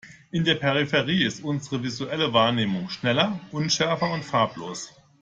In der Peripherie ist unsere visuelle Wahrnehmung schneller, unschärfer und farblos.